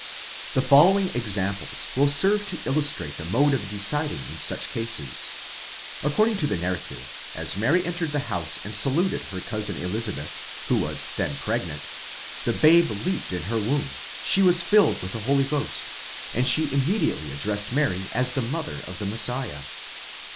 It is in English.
The following examples will serve to illustrate the mode of deciding in such cases. According to the narrative, as Mary entered the house and saluted her cousin Elizabeth, who was then pregnant, the babe leaped in her womb, she was filled with the Holy Ghost, and she immediately addressed Mary as the mother of the Messiah.